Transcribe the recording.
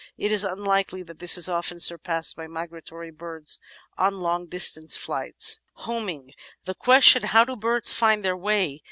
It is unlikely that this is often surpassed by migratory birds on long distance flights. "Homing" The question "How do birds find their way?"